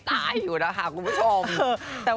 แต่ว่าไม่ว่าจะคบใครดูแล้วก็